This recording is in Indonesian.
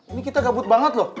ini kita gabut banget loh